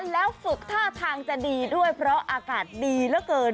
แล้วฝึกท่าทางจะดีด้วยเพราะอากาศดีเหลือเกิน